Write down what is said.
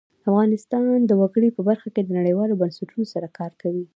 افغانستان د وګړي په برخه کې نړیوالو بنسټونو سره کار کوي.